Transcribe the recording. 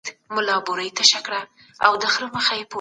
په تاریخي مسایلو کي ډېر ځله موثقه وینا نه لرو.